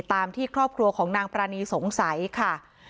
ตามที่ครอบครัวของนางปรานีสงสัยค่ะ